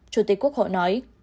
chủ tịch quốc hội nói